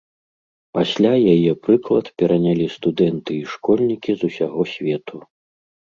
Пасля яе прыклад перанялі студэнты і школьнікі з усяго свету.